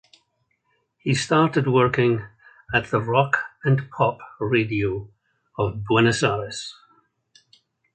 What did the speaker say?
He started working at the Rock and Pop radio of Buenos Aires.